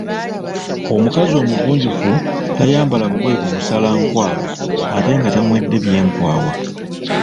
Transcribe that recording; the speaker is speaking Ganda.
Omukazi omugunjufu tayambala bugoye bumusala nkwawa ate nga tamwedde byenkwawa.